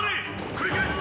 繰り返す。